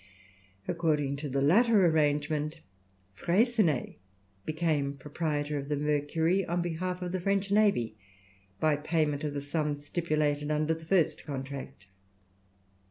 According to the latter arrangement Freycinet became proprietor of the Mercury on behalf of the French navy by payment of the sum stipulated under the first contract.